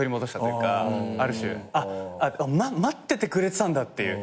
待っててくれてたんだっていう。